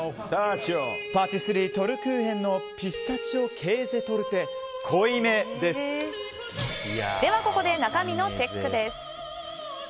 パティスリートルクーヘンのピスタチオ・ケーゼ・トルテでは、ここで中身のチェックです。